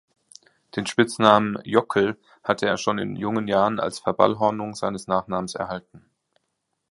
Den Spitznamen „Jokl“ hatte er schon in jungen Jahren als Verballhornung seines Nachnamens erhalten.